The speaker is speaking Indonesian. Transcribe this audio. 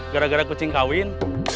gara gara kecing kawin